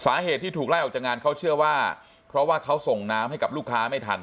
สาเหตุที่ถูกไล่ออกจากงานเขาเชื่อว่าเพราะว่าเขาส่งน้ำให้กับลูกค้าไม่ทัน